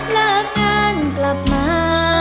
เลิกงานกลับมา